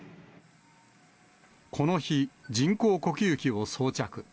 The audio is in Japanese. この日、人工呼吸器を装着。